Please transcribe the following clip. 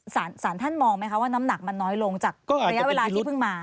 สารท่านมองไหมคะว่าน้ำหนักมันน้อยลงจากระยะเวลาที่เพิ่งมา